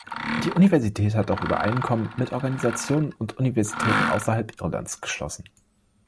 Die Universität hat auch Übereinkommen mit Organisationen und Universitäten außerhalb Irlands geschlossen.